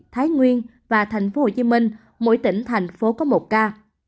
thái nguyên và tp hcm mỗi tỉnh thành phố có một ca